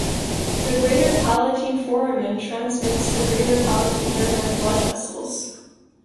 The greater palatine foramen transmits the greater palatine nerve and blood vessels.